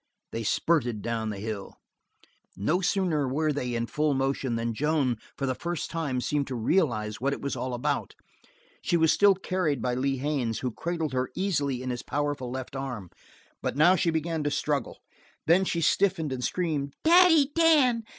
They spurted down the hill. No sooner were they in full motion than Joan, for the first time, seemed to realize what it was all about. She was still carried by Lee Haines, who cradled her easily in his powerful left arm, but now she began to struggle. Then she stiffened and screamed: "Daddy Dan!